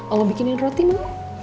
ong mau bikinin roti ma